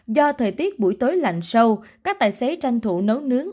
do thời tiết buổi tối lạnh sâu các tài xế tranh thủ nấu nướng